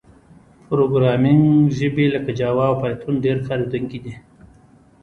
پروګرامینګ ژبې لکه جاوا او پایتون ډېر کارېدونکي دي.